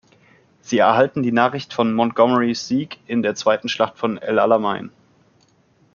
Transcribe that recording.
Sie erhalten die Nachricht von Montgomerys Sieg in der zweiten Schlacht von El Alamein.